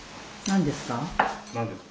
何ですか？